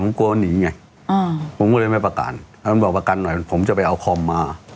ผมกลัวหนีไงอ่าผมก็เลยไม่ประกันบอกประกันหน่อยผมจะไปเอาคอมมา